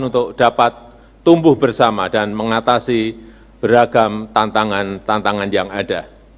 untuk dapat tumbuh bersama dan mengatasi beragam tantangan tantangan yang ada